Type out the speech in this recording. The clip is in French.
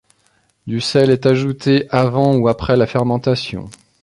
Du sel est ajouté avant ou après la fermentation.